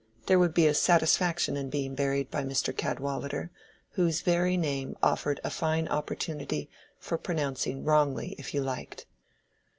There would be a satisfaction in being buried by Mr. Cadwallader, whose very name offered a fine opportunity for pronouncing wrongly if you liked.